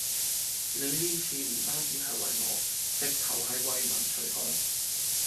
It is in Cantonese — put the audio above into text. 你呢次唔單止係為我，直頭係為民除害